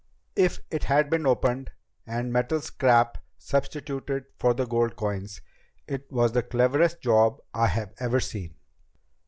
If it had been opened and metal scrap substituted for the gold coins, it was the cleverest job I've ever seen."